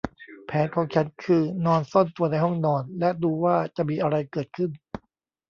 แผนของฉันคือนอนซ่อนตัวในห้องนอนและดูว่าจะมีอะไรเกิดขึ้น